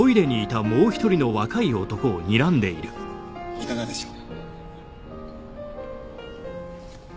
いかがでしょう？